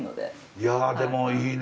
いやでもいいね。